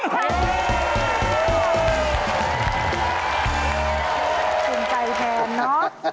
ชนใจแทนนะ